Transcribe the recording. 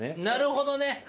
なるほどね。